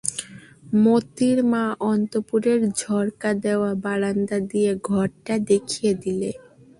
মোতির মা অন্তঃপুরের ঝরকা-দেওয়া বারান্দা দিয়ে ঘরটা দেখিয়ে দিলে।